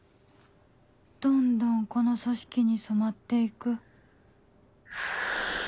どんどんこの組織に染まって行く